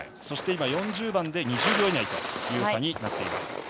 そして４０番で２０秒以内という差になっています。